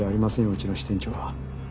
うちの支店長は。